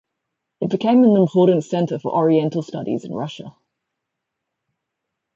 It became an important center for Oriental Studies in Russia.